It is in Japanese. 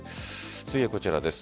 続いてはこちらです。